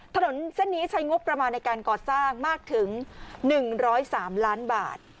ถนนเส้นนี้ใช้งบประมาณในการก่อสร้างมากถึง๑๐๓ล้านบาท